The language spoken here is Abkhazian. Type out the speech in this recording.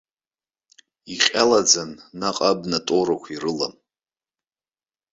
Иҟьалаӡан наҟ абна тоурақәа ирылам.